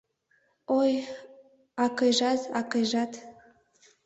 Ой, акыйжат, акыйжат